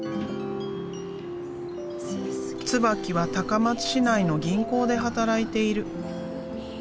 椿は高松市内の銀行で働いている。